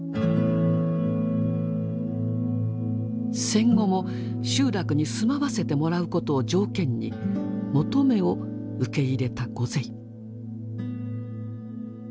戦後も集落に住まわせてもらうことを条件に求めを受け入れたゴゼイ。